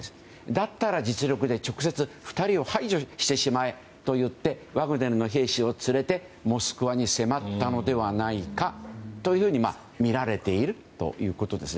だったら実力で直接２人を排除してしまえといってワグネルの兵士を連れてモスクワに迫ったのではないかとみられているということです。